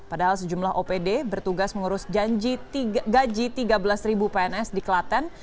padahal sejumlah opd bertugas mengurus gaji tiga belas pns di klaten